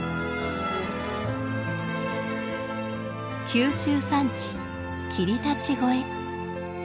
九州山地霧立越。